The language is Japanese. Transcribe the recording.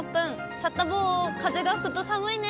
サタボー、風が吹くと寒いね。